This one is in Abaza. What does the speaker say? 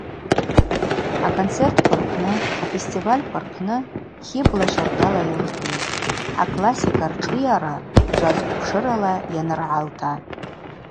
Аконцертква рпны, афестивальква рпны Хибла щардала йылхӏвитӏ аклассика ршӏыйара джаз квпшырала йаныргӏалта.